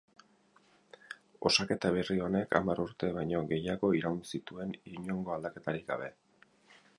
Osaketa berri honek hamar urte baino gehiago iraun zituen inongoaldaketarik gabe.